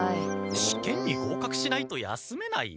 試験にごうかくしないと休めない？